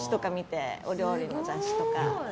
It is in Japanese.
お料理の雑誌とか見て。